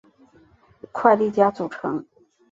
快利佳组成。